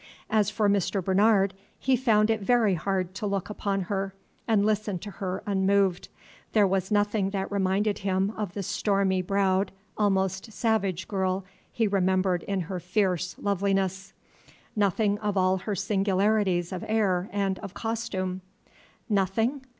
As for Mr. Bernard, he found it very hard to look upon her, and listen to her unmoved. There was nothing that reminded him of the stormy browed, almost savage girl he remembered in her fierce loveliness, nothing of all her singularities of air and of costume. Nothing?